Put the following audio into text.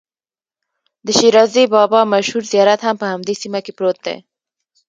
د شیرازي بابا مشهور زیارت هم په همدې سیمه کې پروت دی.